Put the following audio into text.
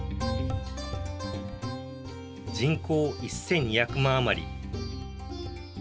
人口１２００万余り。